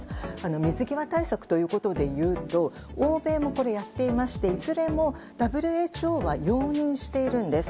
水際対策ということでいうと欧米もやっていましていずれもＷＨＯは容認しているんです。